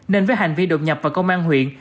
nên với hành vi đột nhập vào công an huyện